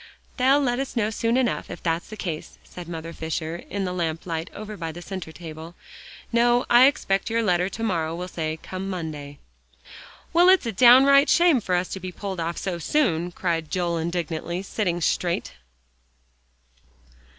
"They'll let us know soon enough if that's the case," said Mother Fisher in the lamp light over by the center table. "No, I expect your letter to morrow will say 'Come Monday.'" "Well, it's a downright shame for us to be pulled off so soon," cried Joel indignantly, sitting straight.